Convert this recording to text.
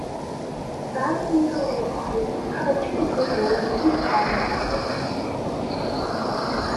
His badly mutilated body was recovered two days later when a relief column arrived.